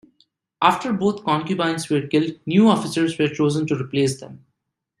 After both concubines were killed, new officers were chosen to replace them.